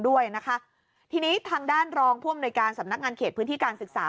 ด้วยนะคะทีนี้ทางด้านรองผู้อำนวยการสำนักงานเขตพื้นที่การศึกษา